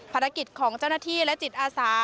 ภารกิจของเจ้าหน้าที่และจิตอาสา